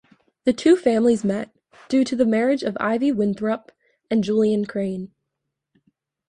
The two families met due to the marriage of Ivy Winthrop and Julian Crane.